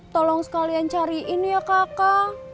tolong sekalian cariin ya kakak